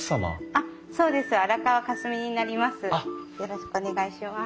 あっそうです。